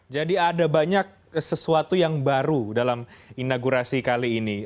jadi ada banyak sesuatu yang baru dalam inaugurasi kali ini